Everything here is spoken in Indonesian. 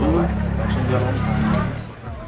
langsung dia lompat